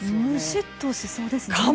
むしっとしそうですね。